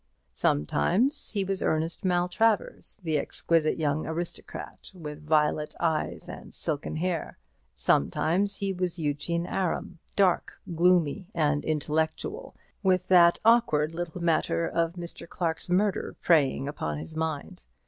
Sometimes he was Ernest Maltravers, the exquisite young aristocrat, with violet eyes and silken hair. Sometimes he was Eugene Aram, dark, gloomy, and intellectual, with that awkward little matter of Mr. Clarke's murder preying upon his mind.